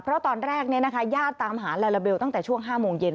เพราะตอนแรกญาติตามหาลาลาเบลตั้งแต่ช่วง๕โมงเย็น